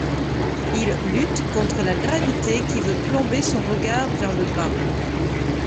Il lutte contre la gravité qui veut plomber son regard vers le bas.